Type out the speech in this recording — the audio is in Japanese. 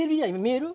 見える？